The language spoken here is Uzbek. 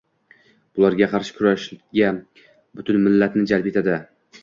bularga qarshi kurashga butun millatni jalb etadi.